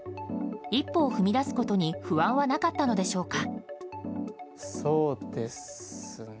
一歩を踏み出すことに不安はなかったのでしょうか。